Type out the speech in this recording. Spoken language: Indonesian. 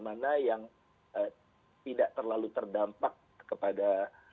mana yang tidak terlalu terdampak kepada